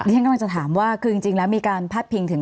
ฉันกำลังจะถามว่าคือจริงแล้วมีการพาดพิงถึง